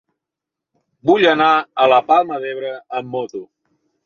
Vull anar a la Palma d'Ebre amb moto.